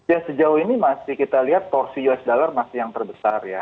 ya sejauh ini masih kita lihat porsi us dollar masih yang terbesar ya